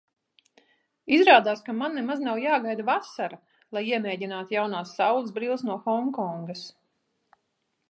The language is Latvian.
Izrādās, ka man nemaz nav jāgaida vasara, lai iemēģinātu jaunās saulesbrilles no Honkongas.